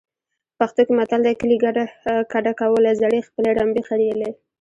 پښتو کې متل دی. کلی کډه کوله زړې خپلې رمبې خریلې.